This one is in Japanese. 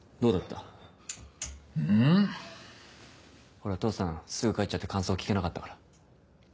ほら父さんすぐ帰っちゃって感想聞けなかったから。